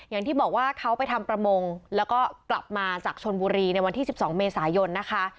อย่างที่บอกว่าเขาไปทำประมงแล้วก็กลับมาจากชนบุรีในวันที่๑๒เมษายนนะคะ